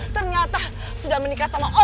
ternyata sudah menikah sama om lho